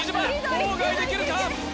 妨害できるか？